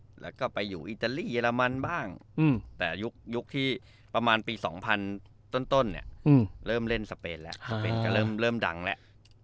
ประมาณปี๒๐๐๐ต้นเนี่ยเริ่มเล่นสเปนแล้วสเปนก็เริ่มดังแล้ว